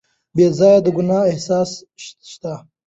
بې ځایه د ګناه احساس شته.